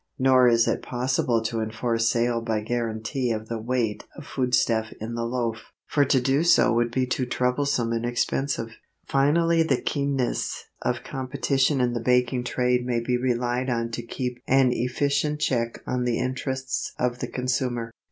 Nor is it possible to enforce sale by guarantee of the weight of foodstuff in the loaf, for to do so would be too troublesome and expensive. Finally the keenness of competition in the baking trade may be relied on to keep an efficient check on the interests of the consumer.